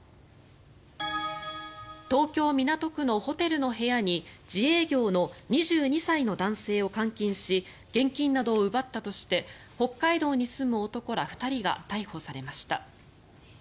東京・港区のホテルの部屋に自営業の２２歳の男性を監禁し現金などを奪ったとして北海道に住む男ら２人が逮捕されました。